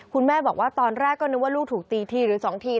คุณแม่บอกว่าตอนแรกก็นึกว่าลูกถูกตีทีหรือ๒ที